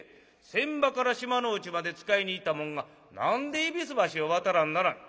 船場から島之内まで使いに行った者が何で戎橋を渡らんならん。